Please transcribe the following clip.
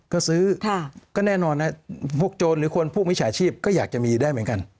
ก็ซื้อก็แน่นอนนะพวกโจรหรือคนพวกมิจฉาชีพก็อยากจะมีได้เหมือนกัน